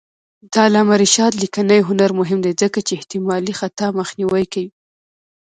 د علامه رشاد لیکنی هنر مهم دی ځکه چې احتمالي خطا مخنیوی کوي.